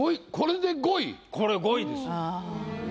これ５位です。